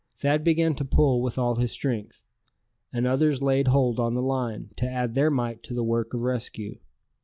Thad began to pull with all his strength, and others laid hold on the line, to add their mite to the work of rescue.